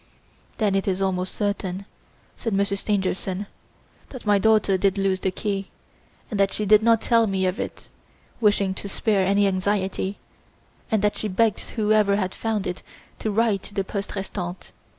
"Then it is almost certain," said Monsieur Stangerson, "that my daughter did lose the key, and that she did not tell me of it, wishing to spare any anxiety, and that she begged whoever had found it to write to the poste restante.